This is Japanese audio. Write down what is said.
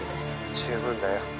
十分だよ。